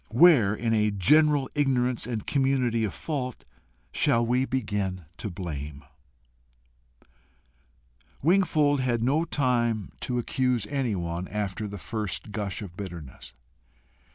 Where, in a general ignorance and community of fault, shall we begin to blame? Wingfold had no time to accuse anyone after the first gush of bitterness.